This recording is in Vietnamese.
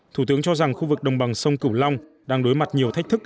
thủ tướng cho rằng khu vực đồng bằng sông cửu long đang đối mặt nhiều thách thức